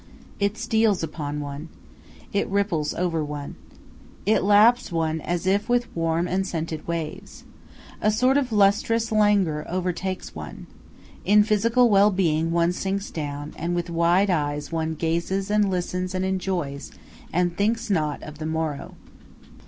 It steals upon one. It ripples over one. It laps one as if with warm and scented waves. A sort of lustrous languor overtakes one. In physical well being one sinks down, and with wide eyes one gazes and listens and enjoys, and thinks not of the morrow.